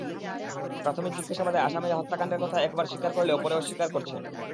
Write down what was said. প্রাথমিক জিজ্ঞাসাবাদে আসামিরা হত্যাকাণ্ডের কথা একবার স্বীকার করলেও পরে অস্বীকার করছেন।